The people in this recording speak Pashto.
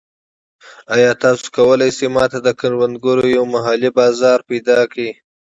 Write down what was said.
ایا تاسو کولی شئ ما ته د کروندګرو یو محلي بازار ومومئ؟